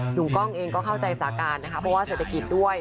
กล้องเองก็เข้าใจสาการนะคะเพราะว่าเศรษฐกิจด้วย